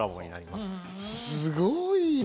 すごいな。